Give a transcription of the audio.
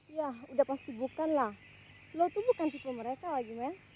ya udah pasti bukan lah lo tuh bukan tipe merasa lagi mel